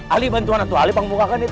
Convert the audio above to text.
ali bantuan atuh ali panggungkakan itu